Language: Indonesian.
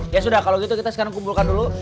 ya sudah kalau gitu kita sekarang kumpulkan dulu